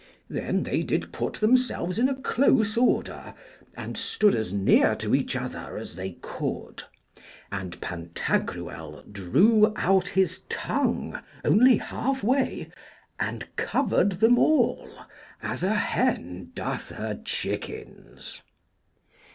Then did they put themselves in a close order, and stood as near to (each) other as they could, and Pantagruel drew out his tongue only half way and covered them all, as a hen doth her chickens.